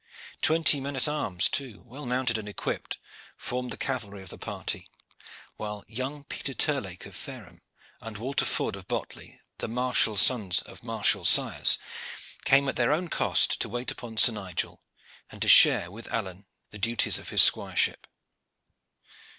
Twenty men at arms, too, well mounted and equipped, formed the cavalry of the party, while young Peter Terlake of Fareham, and Walter Ford of Botley, the martial sons of martial sires, came at their own cost to wait upon Sir Nigel and to share with Alleyne Edricson the duties of his squireship.